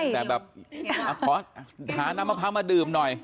แต่แบบขอหาน้ำมะพร้าวมาดื่มหน่อย